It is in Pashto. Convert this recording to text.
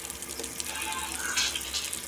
کله ناکله حکومت د قوت له لاري حق اخلي.